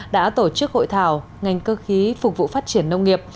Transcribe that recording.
đã tổ chức hội thảo ngành cơ khí phục vụ phát triển nông nghiệp